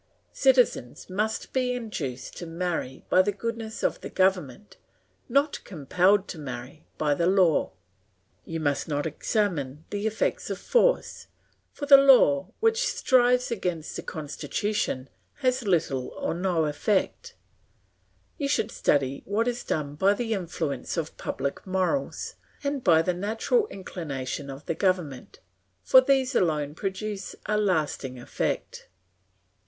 Citizens must be induced to marry by the goodness of the government, not compelled to marry by law; you must not examine the effects of force, for the law which strives against the constitution has little or no effect; you should study what is done by the influence of public morals and by the natural inclination of the government, for these alone produce a lasting effect.